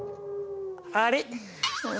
あれ？